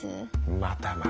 またまた。